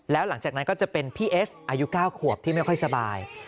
แล้วหลังจากนั้นก็จะเป็นพี่เอสอายุ๙ขวบที่ไม่ค่อยสบาย